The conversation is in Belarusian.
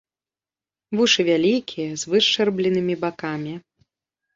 Вушы вялікія, з вышчарбленымі бакамі.